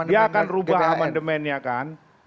ya kan rubah amandemennya kan